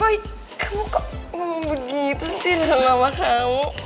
boy kamu kok begitu sih dengan mama kamu